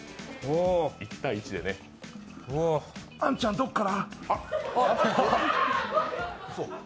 あんちゃん、どこから？